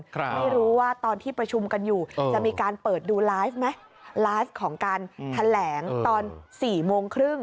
ไม่รู้ว่าตอนที่ประชุมกันอยู่จะมีการเปิดดูไลฟ์ไหมไลฟ์ของการแถลงตอนสี่โมงครึ่ง